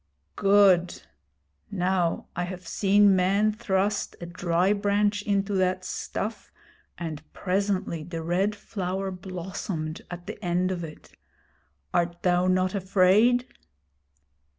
'Good! Now I have seen men thrust a dry branch into that stuff, and presently the Red Flower blossomed at the end of it. Art thou not afraid?'